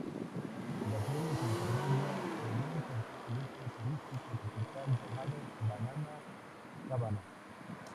La serie se desarrolla en un complejo turístico tropical llamado Banana Cabana.